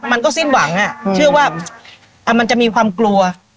มันก็สิ้นหวังเชื่อว่ามันจะมีความกลัว